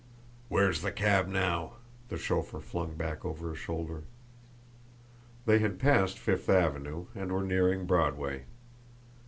"Where's the cab now?" the chauffeur flung back over his shoulder. They had passed Fifth Avenue, and were nearing Broadway.